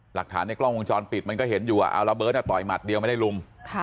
หลักฐานในกล้องวงจรปิดมันก็เห็นอยู่ว่าเอาระเบิดต่อยหมัดเดียวไม่ได้ลุง